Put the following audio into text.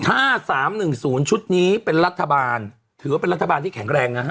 ถ้า๓๑๐ชุดนี้เป็นรัฐบาลถือว่าเป็นรัฐบาลที่แข็งแรงนะฮะ